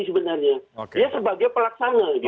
sebenarnya dia sebagai pelaksana